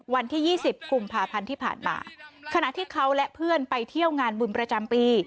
วันที่ยี่สิบกุมภาพันธ์ที่ผ่านมาขณะที่เขาและเพื่อนไปเที่ยวงานบุญประจำปี